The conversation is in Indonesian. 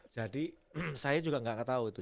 jadi saya juga gak tau itu